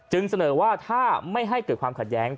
เสนอว่าถ้าไม่ให้เกิดความขัดแย้ง